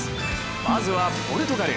まずはポルトガル。